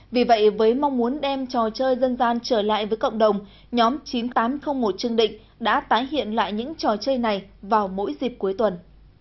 vì vậy với mong muốn đem trò chơi dân gian trở lại với cộng đồng nhóm chín nghìn tám trăm linh một trương định đã tái hiện lại những trò chơi này vào mỗi dịp cuối tuần